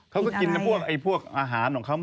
เขาก็กินพวกอาหารของเขา